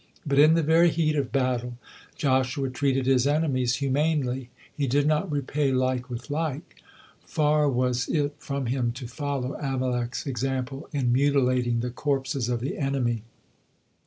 But in the very heat of battle, Joshua treated his enemies humanely, he did not repay like with like. Far was it from him to follow Amalek's example in mutilating the corpses of the enemy.